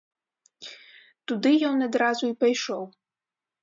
Туды ён адразу і пайшоў.